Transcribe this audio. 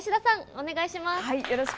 お願いします。